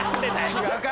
違うか！